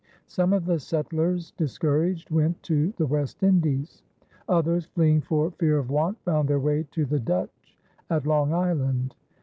Some of the settlers, discouraged, went to the West Indies; others, fleeing for fear of want, found their way to the Dutch at Long Island.